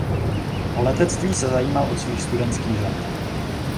O letectví se zajímal od svých studentských let.